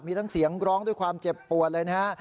มีทั้งเสียงร้องด้วยความเจ็บปวดเลยนะฮะ